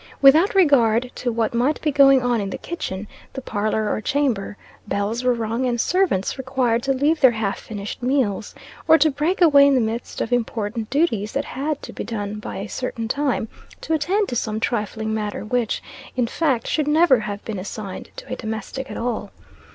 Without regard to what might be going on in the kitchen, the parlor or chamber, bells were rung, and servants required to leave their half finished meals, or to break away in the midst of important duties that had to be done by a certain time, to attend to some trifling matter which, in fact, should never have been assigned to a domestic at all.